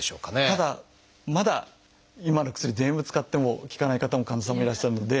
ただまだ今ある薬全部使っても効かない方も患者さんもいらっしゃるので。